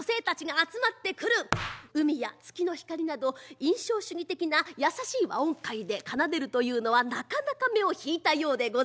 「海」や「月の光」など印象主義的な優しい和音階で奏でるというのはなかなか目を引いたようでございます。